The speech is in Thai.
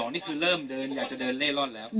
นี่คือเริ่มเดินอยากจะเดินเล่ร่อนแล้ว